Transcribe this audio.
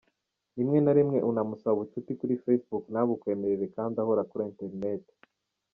Rimwe na rimwe unamusaba ubucuti kuri Facebook, ntabukwemerere kandi ahora kuri internet.